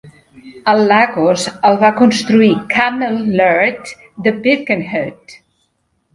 El Lagos el va construir Cammell Laird de Birkenhead.